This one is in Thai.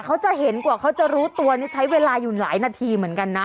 เขาจะเห็นกว่าเขาจะรู้ตัวนี่ใช้เวลาอยู่หลายนาทีเหมือนกันนะ